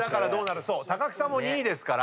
木さんも２位ですから。